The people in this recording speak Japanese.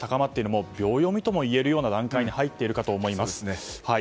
もう秒読みともいえるような段階に入っているかと思います。